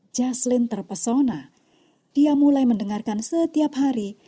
jaseline terpesona dia mulai mendengarkan setiap hari